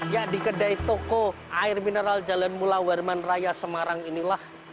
ya di kedai toko air mineral jalan mula warman raya semarang inilah